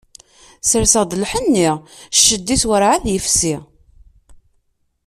Serseɣ-d lḥenni, cced-is werɛad yefsi.